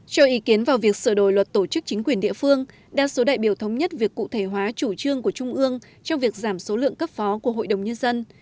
cho ý kiến vào việc sửa đổi luật tổ chức chính quyền địa phương đa số đại biểu thống nhất việc cụ thể hóa chủ trương của trung ương trong việc giảm số lượng cấp phó của hội đồng nhân dân